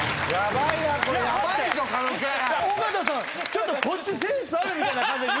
ちょっとこっちセンスあるみたいな感じで。